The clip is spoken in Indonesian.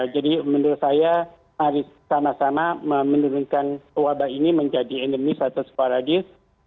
jadi menurut saya harus sama sama menurunkan wabah ini menjadi endemis atau sporadis